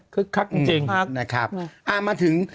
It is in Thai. คึกคับจริง